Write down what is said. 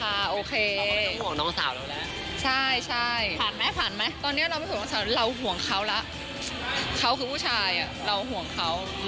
เขาก็ไม่ต้องห่วงน้องสาวแล้วแหละใช่ผ่านไหมตอนนี้เราไม่ต้องห่วงน้องสาวเราห่วงเขาแล้วเขาคือผู้ชายอะเราห่วงเขา